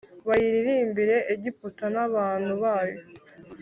bayiririmbire Egiputa n abantu bayo